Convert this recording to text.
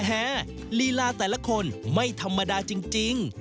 ลีลาแต่ละคนไม่ธรรมดาจริง